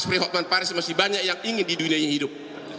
asfri hotman parish masih banyak yang ingin di dunia ini hidup